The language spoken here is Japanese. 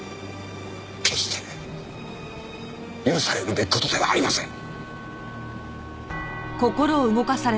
決して許されるべき事ではありません！